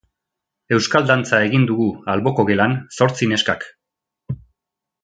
Euskal dantza egin dugu alboko gelan zortzi neskak.